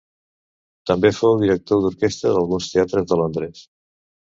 També fou director d’orquestra d’alguns teatres de Londres.